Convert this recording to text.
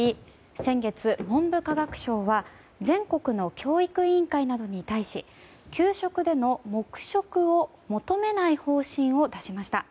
先月、文部科学省は全国の教育委員会などに対し給食での黙食を求めない方針を出しました。